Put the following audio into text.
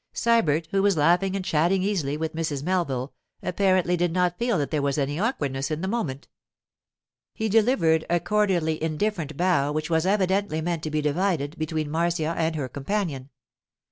Sybert, who was laughing and chatting easily with Mrs. Melville, apparently did not feel that there was any awkwardness in the moment. He delivered a cordially indifferent bow which was evidently meant to be divided between Marcia and her companion.